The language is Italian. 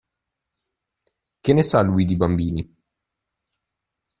Che ne sa lui di bambini?